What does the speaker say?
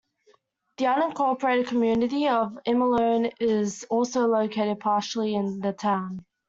The unincorporated community of Imalone is also located partially in the town.